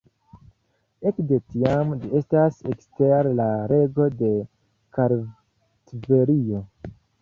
Ekde tiam, ĝi estas ekster la rego de Kartvelio.